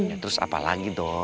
ya terus apalagi dong